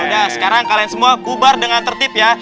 udah sekarang kalian semua kubar dengan tertib ya